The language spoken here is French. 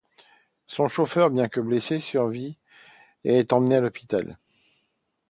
Son chauffeur, bien que blessé, survit et est emmené à l'hôpital.